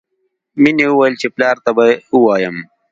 مینې وویل چې پلار ته به ووایم